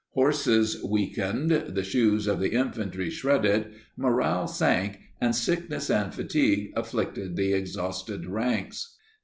Horses weakened, the shoes of the infantry shredded, morale sank, and sickness and fatigue afflicted the exhausted ranks.